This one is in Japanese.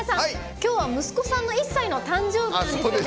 今日は息子さんの１歳の誕生日ですね。